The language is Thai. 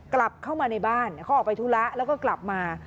กลับเข้ามาในบ้านเขาออกไปธุระแล้วก็กลับมา